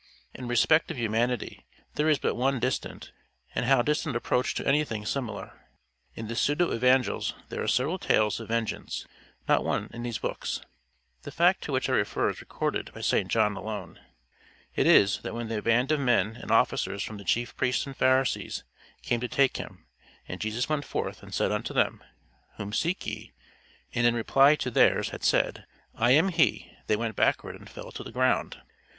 In respect of humanity there is but one distant, and how distant approach to anything similar! In the pseudo evangels there are several tales of vengeance not one in these books. The fact to which I refer is recorded by St John alone. It is, that when the "band of men and officers from the chief priests and Pharisees" came to take him, and "Jesus went forth and said unto them, Whom seek ye?" and in reply to theirs, had said "I am he, they went backward and fell to the ground."